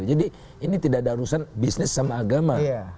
jadi ini tidak ada arusan bisnis sama agama